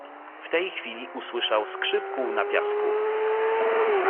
W tej chwili usłyszał skrzyp kół na piasku.